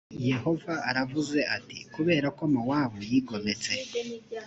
yehova aravuze ati kubera ko mowabu yigometse